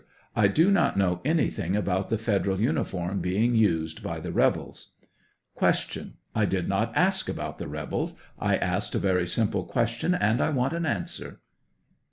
I do not know anything about the Federal uni form being used by the rebels. Q. I did not ask about the rebels ; I asked a very simple question, and I want an answer?